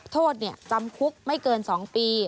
โทษจำคุกไม่เกิน๒ปี